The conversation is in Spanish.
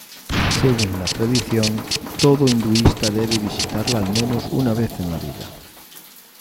Según la tradición, todo hinduista debe visitarla al menos una vez en la vida.